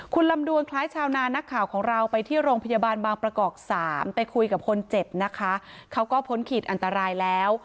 คุณลำดวนคล้ายชาวนานักข่าวของเราไปที่โรงพยาบาลบางประกอบ๓ไปคุยกับคนเจ็บนะคะเขาก็พ้นขีดอันตรายแล้ว